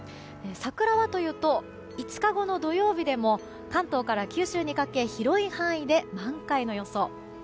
桜はというと５日後の土曜日でも関東から九州にかけ広い範囲で満開の予想。